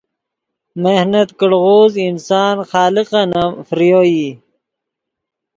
محنت کڑغوز انسان خالقن ام فریو ای